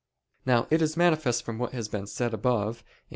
Now it is manifest from what has been said above (Q.